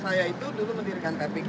saya itu dulu pendirikan kpk